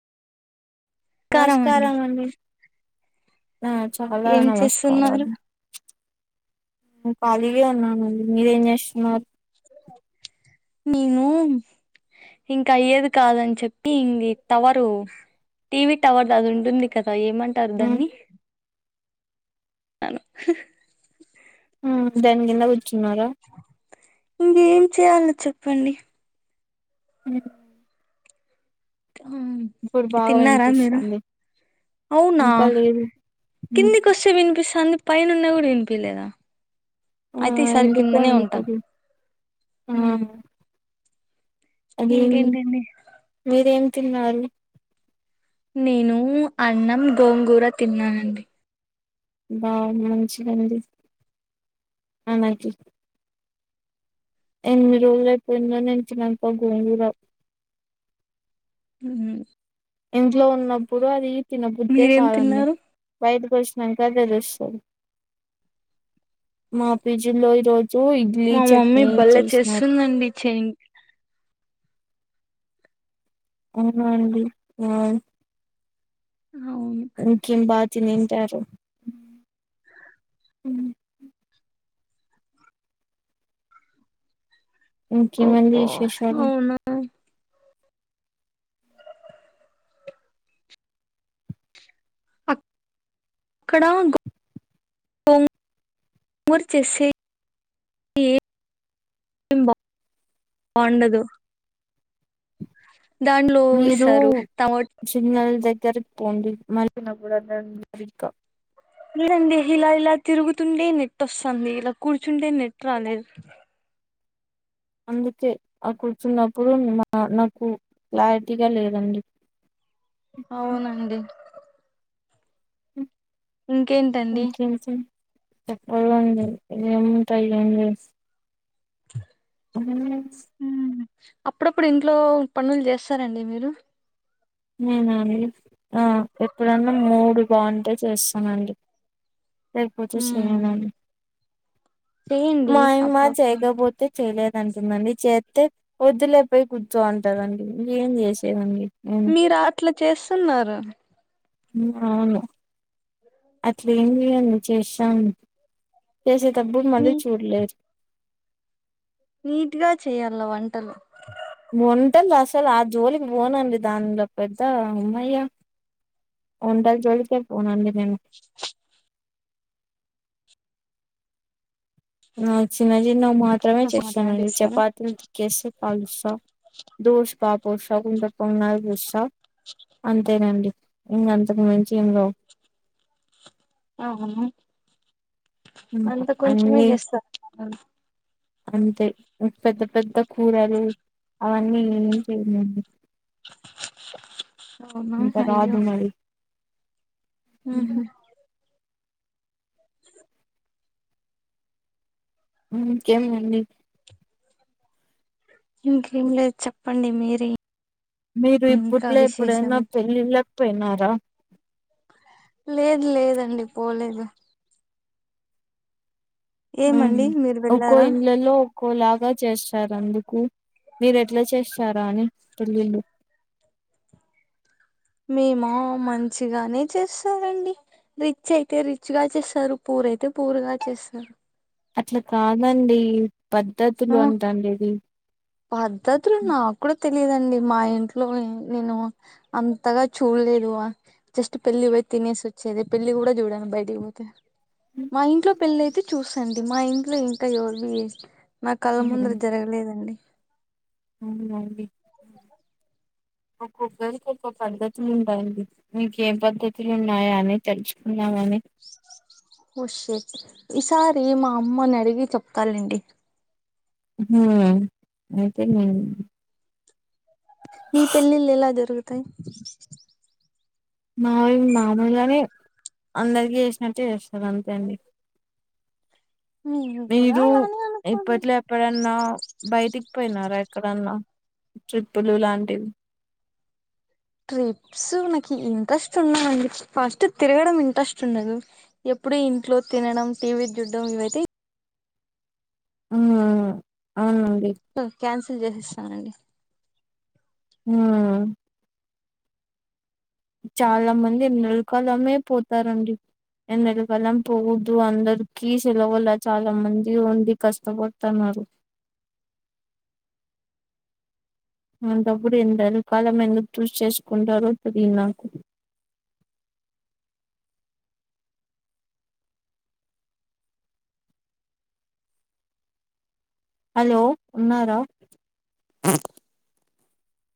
కారం అండి నమస్కారమండి ఆ చాలా ఏం చేస్తున్నారు నమస్కారాలు మేము ఖళిగా అన్నాండి మీరేం చేస్తున్నారు నీము ఇంకా అయ్యేది కాదని చెప్పి ఇది టవరు టీవీ టవర్ అది ఉంటుంది కదా ఏమంటారు ఉమ్ దాన్ని అను దాని కింద కూర్చున్నారా ఇంకేం చేయాలో చెప్పండి అ ఆ ఇప్పుడు బాగా తిన్నారా మీరు వినిపిస్తోంది అవునా ఉమ్ కిందికి వస్తే వినిపిస్థంధి పైన ఉన్న కూడా వినిపియ్యలేదా ఆ అయితే ఈసారి ఎందుకు కిందనే అండి ఉంటా తెలీదు హ అదేం మీరేం తిన్నారు నేను అన్నం గోంగూర తిన్నానండి బావ్ మంచిదండి అనకి ఎనిమిది రోజులు అయిపోయింద ఎంతినప గోంగూర హ ఇంట్లో ఉన్నప్పుడు అది తినబుద్దే మీరేం కాదండి తిన్నారు వైట ఒడిసినంక తెలుస్తది మా పేజీలో ఈరోజు మా మమ్మీ బల్ల చేస్తుందండి చైన్ అవునా అండి ఆ అవును ఇంకేం బాగా తనింటారు ఇంకేమండి అబ్బా విశేషాలు అవునా ఇక్కడ గో గోంగూర చేసి ఏ బాగుండదు దాంట్లో మీరు ఇస్తారు టమోట చిన్నల్ దగ్గర పొండి మరిన కూడా నిక లేదండి ఇలా ఇలా తిరుగుతుండే నెట్ వస్తుంది ఇలా కూర్చుంటే నెట్ రాలేదు అందుకే ఆ కూర్చున్నప్పుడు నాకు క్లారిటీగా లేదండి అవునండి అ ఇంకేంటండి చెప్పాలండి ఏముంటాయి ఏం స్స్ ఉమ్, అప్పుడప్పుడు ఇంట్లో పనులు చేస్తారండి మీరు నేనాండి ఆ ఎప్పుడన్నా మూడ్ బాగుంటే చేస్తానండి లేకపోతే ఉమ్ చేయనండి చేయండి మా అమ్మా అప్పుడప్పుడు చేయకపోతే చెలి అంటందండి చేస్తే వద్దులేకపోయి కూర్చో ఉంటదండి ఏం చేసేదండి నేను మీరు అట్లా చేస్తున్నారు అవును అట్లా ఏం లేదండి చేస్తాం చేసేటప్పుడు నీ మళ్ళీ చూడలేదు నీట్గా చేయాల వంటలు వంటారు అసలు ఆ జోలికి పోనండి దాంలో పెద్ద అమ్మయ్య వంటలు జోలికి పోనండి నేను ఆ చిన్న చిన్న మాత్రమే రసం అట్లాంటివి చెస్తానండి ఇస్తారా చపాతీలు తిక్కేసి కాలుస్తా దూసుపా పుషా గుంత పన పుస అంతేనండి ఇం అంతకుమించి ఏం రావ్ అ అంత కొంచమే అన్ని చేస్తారు అంతే పెద్ద పెద్ద కూరలు అవన్నీ ఏం చెయ్యనండి అవునా అయ్యో ఇంతకాదు మరి ఉమ్, ఉహు ఇంకేం అండి ఇంకేం లేదు చెప్పండి మీరే మీరు ఇంకా ఇప్పట్లో ఎప్పుడైనా విశేషాలు పెళ్ళిళ్ళకి పోయినారా లేదు లేదండి పోలేదు ఆ ఏమండి మీరు ఒక్కో వెళ్ళారా ఇండ్లలో ఒక్కోలాగా చేస్త చేస్తారు అందుకు మీరు ఎట్లా చేస్తారా అని పెళ్ళిలు మేమా మంచిగానే చేస్తామండి రిచ్ అయితే రిచ్ గా చేస్తారు పూర్ అయితే పూర్ గా చేస్తారు అట్లా కాదండి పద్ధతులు ఆ అంటాండేది పద్ధతులు నాకు కూడా తె లేదండి మా ఇంట్లో నేను అంతగా చూలేదు జస్ట్ పెళ్లి పోయి తినేసి వచ్చేది పెళ్లి కూడా చూడను బయటికి పోతే ఉమ్, మా ఇంట్లో పెళ్లయితే చూసండి మా ఇంట్లో ఇంకావ ఎవరివి నా కళ్ళ ముందర జరగలేదండి అవునా అండి [inaudible] ఒక్కరికి ఒక పద్ధతులు ఉండడి మీక ఏం పద్ధతులు ఉన్నాయా అని తెలుసుకున్నామ అని ఓ షేట్ ఈసారి మా అమ్మని అడిగి చెప్పతాలేండి ఉ అంతే అండి మీ పెళ్ళిళ్ళు ఎలా జరుగుతాయ్ మయి మామూలుగాని అందరికి చేసినట్టు చేస్తారు అంతే అండి మేము కూడా మీరు అలానే అనుకోండి ఇప్పట్ల ఎప్పుడన్నా బయటిక్. పోయినారా ఎక్కడన్నా ట్రిప్పులు లాంటివి. ట్రిప్స్ నాకి ఇంట్రెస్ట్ ఉన్నావండి ఫస్ట్ తిరగడం ఇంట్రెస్ట్ ఉండదు ఏప్. ఇప్పుడు ఇంట్లో తినడం టీవీ చూడ్డం ఇవైతే. ఉమ్ అవును. ఓ క్యాన్సిల్ చేసేస్తానండి. ఉమ్. చాలా మంది మేల్ కాలమే పోతారండి. ఎండలు కాలం పోవద్దు అందరు కీ సెలవుల చాలా మంది ఉండి కష్టపడుతన్నారు. [inaudible] అంటప్పుడు ఎండలు కాలం మేందుకు చూస్ చేసుకుంటారో తెలియదు నాకు. [inaudible] హలో ఉన్నారా.